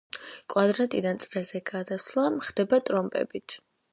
კვადრატიდან წრეზე გადასვლა ხდება ტრომპებით.